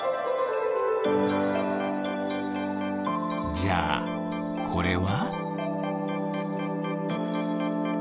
じゃあこれは？